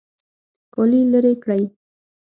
کالي لرې کړئ